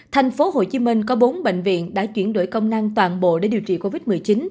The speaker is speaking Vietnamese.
tp hcm có bốn bệnh viện đã chuyển đổi công năng toàn bộ để điều trị covid một mươi chín